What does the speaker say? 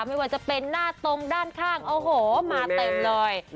ไม่ว่าจะเป็นหน้าตรงด้านข้างโอ้โหมาเต็มเลย